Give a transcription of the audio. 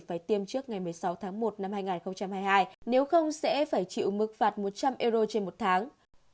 phải tiêm trước ngày một mươi sáu tháng một năm hai nghìn hai mươi hai nếu không sẽ phải chịu mức phạt một trăm linh euro trên một tháng